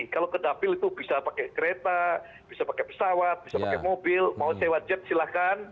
kalau ke dapil itu bisa pakai kereta bisa pakai pesawat bisa pakai mobil mau sewa jet silahkan